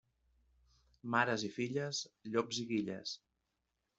Mares i filles, llops i guilles.